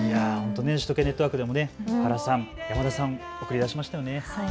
首都圏ネットワークでも原さん、山田さん、送り出しましたよね。